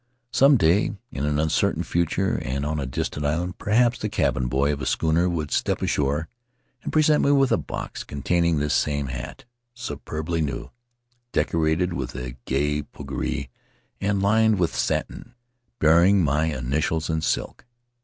Some day — in an uncertain future and on a distant island, perhaps — the cabin boy of a schooner would step ashore and present me with a box containing this same hat, superbly new, decorated with a gay puggree and lined with satin bearing my initials in silk.